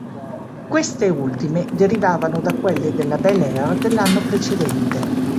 Queste ultime derivavano da quelle della Bel Air dell'anno precedente.